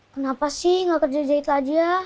kenapa sih nggak kerja jahit aja